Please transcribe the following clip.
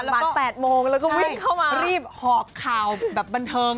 ตั้งบัน๘โมงแล้วก็วิ่งเข้ามาใช่รีบหอกข่าวแบบบันเทิง